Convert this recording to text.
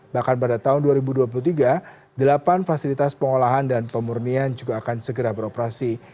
bahkan pada tahun dua ribu dua puluh tiga delapan fasilitas pengolahan dan pemurnian juga akan segera beroperasi